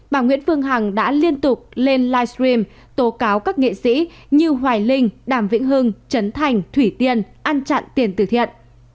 bà nguyễn phương hằng đã liên tục lên livestream tố cáo các nghệ sĩ như hoài linh đàm vĩnh hưng trấn thành thủy tiên ăn chặn tiền tử thiện